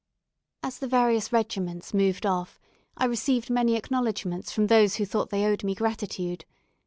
As the various regiments moved off, I received many acknowledgments from those who thought they owed me gratitude.